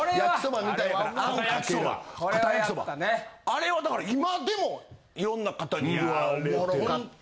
あれはだから今でもいろんなかたに言われて。